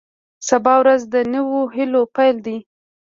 سبا ورځ د نویو هیلو پیل دی.